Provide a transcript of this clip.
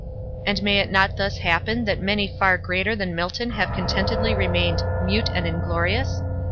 And may it not thus happen that many far greater than Milton have contentedly remained "mute and inglorious?"